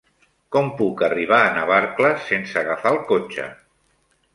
Com puc arribar a Navarcles sense agafar el cotxe?